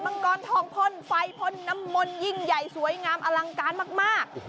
งกรทองพ่นไฟพ่นน้ำมนต์ยิ่งใหญ่สวยงามอลังการมาก